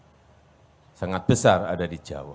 oleh sebab itu pulau jawa menjadi mahasiswa dan juga pemerintah jawa